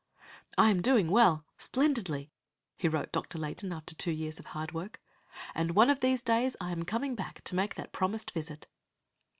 "I am doing well, splendidly," he wrote Dr. Layton after two years of hard work, "and one of these days I am coming back to make that promised visit."